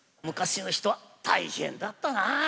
昔の人は大変だったな。